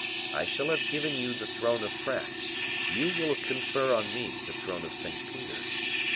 I shall have given you the throne of France, you will confer on me the throne of St. Peter.